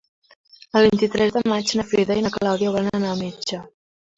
El vint-i-tres de maig na Frida i na Clàudia volen anar al metge.